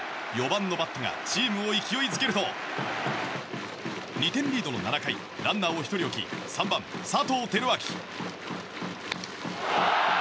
４番のバットがチームを勢いづけると２点リードの７回ランナーを１人置き３番、佐藤輝明。